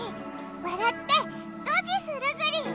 わらってドジするぐり！